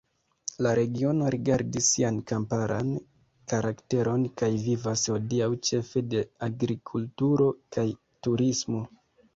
La regiono gardis sian kamparan karakteron kaj vivas hodiaŭ ĉefe de agrikulturo kaj turismo.